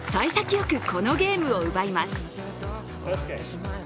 よくこのゲームを奪います。